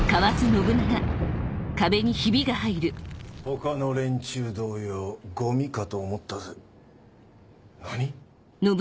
他の連中同様ゴミかと思ったぜ。